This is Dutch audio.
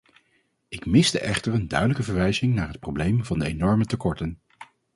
Ik miste echter een duidelijke verwijzing naar het probleem van de enorme tekorten.